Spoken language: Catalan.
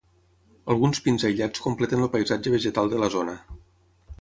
Alguns pins aïllats completen el paisatge vegetal de la zona.